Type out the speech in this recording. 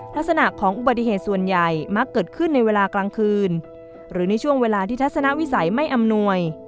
ลักษณะของอุบัติเหตุส่วนใหญ่มักเกิดขึ้นในเวลากลางคืนหรือในช่วงเวลาที่ทัศนวิสัยไม่อำนวย